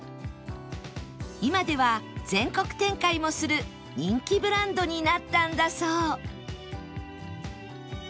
今では全国展開もする人気ブランドになったんだそう